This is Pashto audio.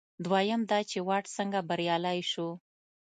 دویم دا چې واټ څنګه بریالی شو.